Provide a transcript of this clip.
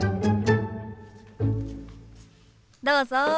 どうぞ。